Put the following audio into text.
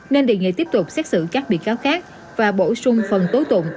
nên đề nghị tiếp tục xét xử các bị cáo khác và bổ sung phần tố tụng